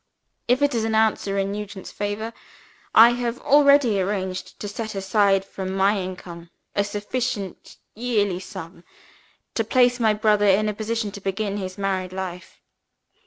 If it is an answer in Nugent's favor, I have already arranged to set aside from my income a sufficient yearly sum to place my brother in a position to begin his married life.